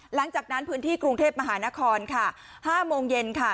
หลังจากนั้นพื้นที่กรุงเทพมหานครค่ะ๕โมงเย็นค่ะ